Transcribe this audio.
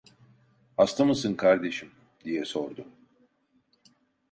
"Hasta mısın kardeşim?" diye sordu.